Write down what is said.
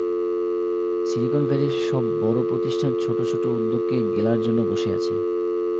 Silicon ভ্যালির সব বড় প্রতিষ্ঠান ছোট ছোট উদ্যোগকে গেলার জন্য বসে আছে।